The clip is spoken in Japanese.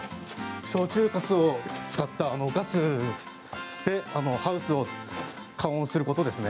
焼酎かすを使ったガスでハウスを加温することですね。